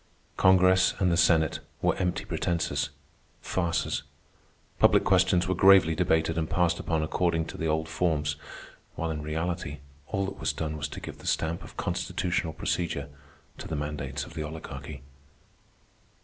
Congress and the Senate were empty pretences, farces. Public questions were gravely debated and passed upon according to the old forms, while in reality all that was done was to give the stamp of constitutional procedure to the mandates of the Oligarchy.